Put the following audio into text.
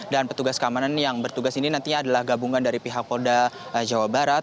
dan petugas keamanan yang bertugas ini nantinya adalah gabungan dari pihak polda jawa barat